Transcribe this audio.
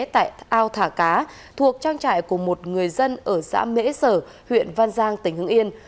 tại ao thả cá thuộc trang trại của một người dân ở xã mễ sở huyện văn giang tỉnh hưng yên